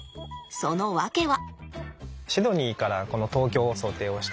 その訳は。